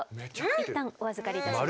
いったんお預かりいたします。